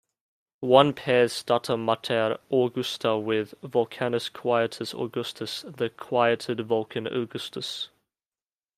One pairs Stata Mater Augusta with Volcanus Quietus Augustus, the 'Quieted' Vulcan Augustus.